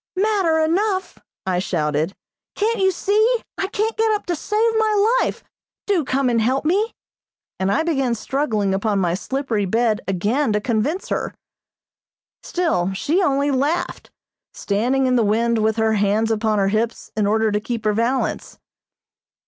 "Matter enough!" I shouted. "Can't you see? I can't get up to save my life. Do come and help me," and I began struggling upon my slippery bed again to convince her. Still she only laughed, standing in the wind with her hands upon her hips in order to keep her balance.